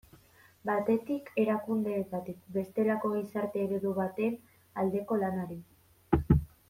Batetik, erakundeetatik bestelako gizarte eredu baten aldeko lanari.